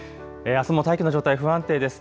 あすも大気の状態不安定です。